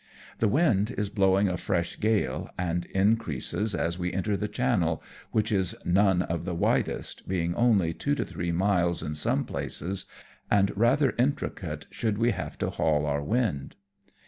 The wind is blowing a fresh gale, and increases as we enter the channel, which is none of the widest, being only two to three miles in some places, and rather intricate should we have to haul our wind.